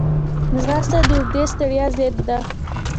ځغاسته د اوږدې ستړیا ضد ده